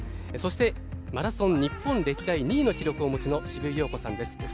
そして、マラソン日本歴代２位の記録をお持ちの渋井陽子さんです。